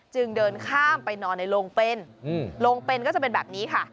จึงเดินข้ามไปนอนในโรงเป็นโรงเป็นก็จะเป็นแบบนี้ค่ะ